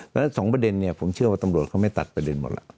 แล้วสองประเด็นเนี่ยผมเชื่อว่าตำรวจเขาไม่ตัดประเด็นหมดแล้ว